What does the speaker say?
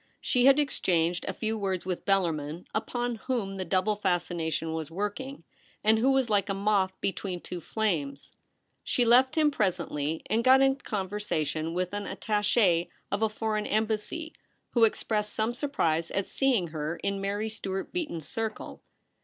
She had exchanged a few words with Bellarmin, upon whom the double fascination was working, and who was like a moth between two flames. She left him presently and got into conversation with an attache of a foreign embassy, who expressed some surprise at seeing her in Mary Stuart Beaton's circle.